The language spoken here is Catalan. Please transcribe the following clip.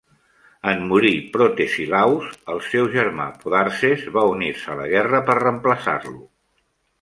En morir Protesilaus, el seu germà Podarces va unir-se a la guerra per reemplaçar-lo.